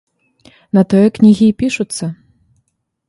На тое кнігі і пішуцца.